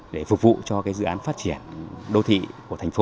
để phục vụ cho dự án phát triển đô thị của thành phố